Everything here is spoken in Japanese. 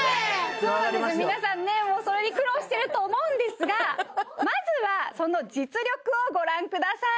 皆さんねそれに苦労してると思うんですがまずはその実力をご覧ください